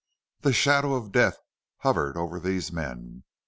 The shadow of death hovered over these men.